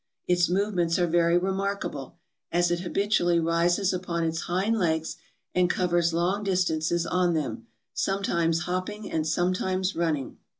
Its movements are very remarkable, as it habitually rises upon its hind legs and covers long distances on them, sometimes hopping and sometimes running.